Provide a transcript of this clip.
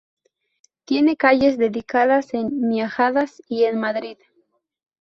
Tiene calles dedicadas en Miajadas y en Madrid.